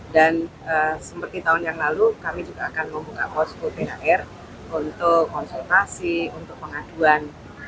dan seperti tahun yang lalu kami juga akan membuka posku thr untuk konsultasi untuk pengaduan